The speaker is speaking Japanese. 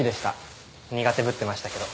苦手ぶってましたけど。